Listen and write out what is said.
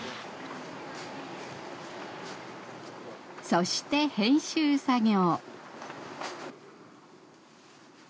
そして編集作業。